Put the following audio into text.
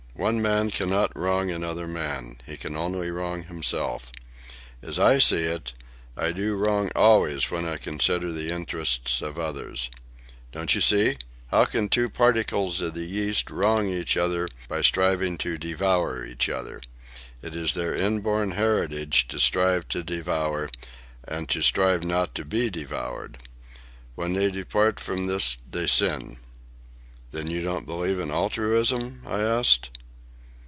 One man cannot wrong another man. He can only wrong himself. As I see it, I do wrong always when I consider the interests of others. Don't you see? How can two particles of the yeast wrong each other by striving to devour each other? It is their inborn heritage to strive to devour, and to strive not to be devoured. When they depart from this they sin." "Then you don't believe in altruism?" I asked.